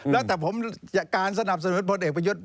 แล้วแต่ผมการสนับสนุนพลเอกประยุทธ์